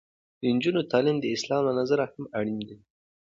د نجونو تعلیم د اسلام له نظره هم اړین دی.